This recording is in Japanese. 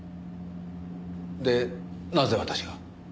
でなぜ私が？